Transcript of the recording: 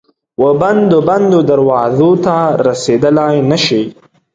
وبندو، بندو دروازو ته رسیدلای نه شي